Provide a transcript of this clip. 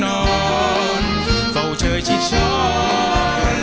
ร้อนฝ่าเชื่อชิดช้อน